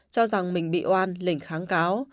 cho rằng mình bị oan lỉnh kháng cáo